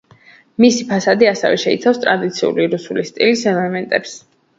მისი ფასადი ასევე შეიცავს ტრადიციული რუსული სტილის ელემენტებს.